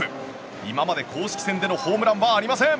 今まで公式戦でのホームランはありません。